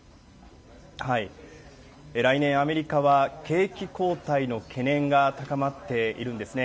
来年、アメリカは景気後退の懸念が高まっているんですね。